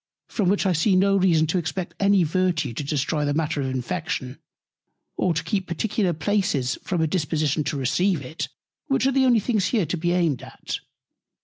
from which I see no reason to expect any Virtue to destroy the Matter of Infection, or to keep particular Places from a Disposition to receive it; which are the only things here to be aimed at.